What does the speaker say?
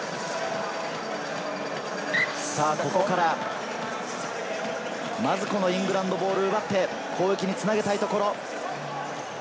ここからまずイングランドボールを奪って攻撃に繋げたいところ。